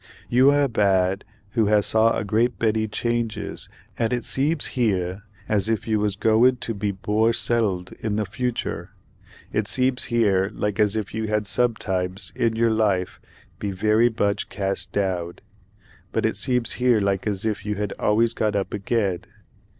"You are a badd who has saw a great beddy chadges add it seebs here as if you was goidg to be bore settled in the future—it seebs here like as if you had sobetibes in your life beed very buch cast dowd, but it seebs here like as if you had always got up agaid.